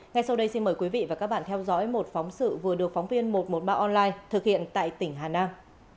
ngay sau đây xin mời quý vị và các bạn theo dõi một phóng sự vừa được phóng viên một trăm một mươi ba online thực hiện tại tỉnh hà nam